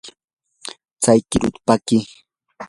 tsay qiruta pakii.